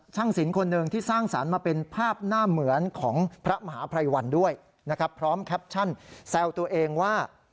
ศิลป์คนหนึ่งที่สร้างสรรค์มาเป็นภาพหน้าเหมือนของพระมหาภัยวันด้วยนะครับพร้อมแคปชั่นแซวตัวเองว่า